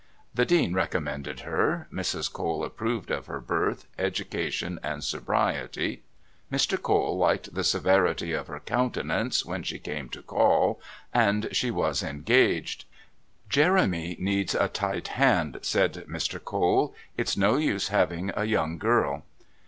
The Dean recommended her, Mrs. Cole approved of her birth, education and sobriety, Mr. Cole liked the severity of her countenance when she came to call, and she was engaged. "Jeremy needs a tight hand," said Mr. Cole. "It's no use having a young girl."